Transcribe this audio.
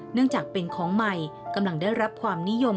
เนื่องจากเป็นของใหม่กำลังได้รับความนิยม